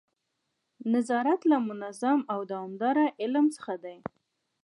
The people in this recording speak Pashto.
نظارت له منظم او دوامداره علم څخه دی.